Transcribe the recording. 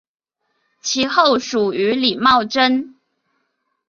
其后属于李茂贞。